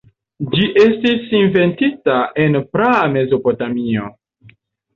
Ĝi estis inventita en praa Mezopotamio.